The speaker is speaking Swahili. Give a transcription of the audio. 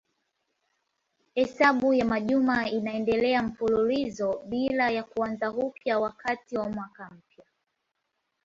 Hesabu ya majuma inaendelea mfululizo bila ya kuanza upya wakati wa mwaka mpya.